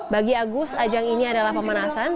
bagi agus ajang ini adalah pemanasan